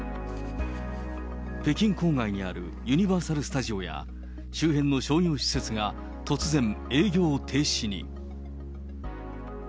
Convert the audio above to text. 北京郊外にあるユニバーサル・スタジオや周辺の商業施設が突然、営業停止に。